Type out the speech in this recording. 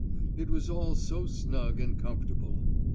It was all so snug and comfortable.